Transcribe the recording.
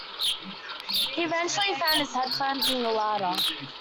He eventually found his headphones in the larder.